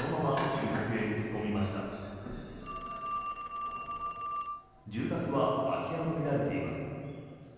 住宅は空き家とみられています。